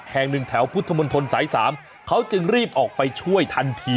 แห่งหนึ่งแถวพุทธมนตรสาย๓เขาจึงรีบออกไปช่วยทันที